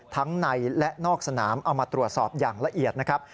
ทั้งในและนอกสนามเอามาตรวจสอบอย่างละเอียดนะครับ